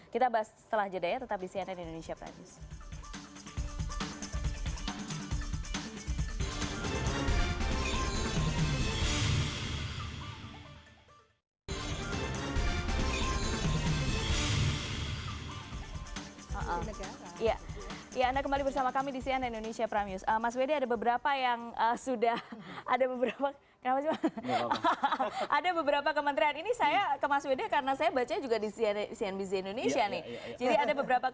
kita bahas setelah jadinya tetap di cnn indonesia